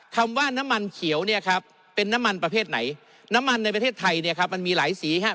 คำว่าน้ำมันเขียวเนี่ยครับเป็นน้ำมันประเภทไหนน้ำมันในประเทศไทยเนี่ยครับมันมีหลายสีฮะ